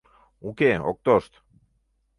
Уке, ок тошт.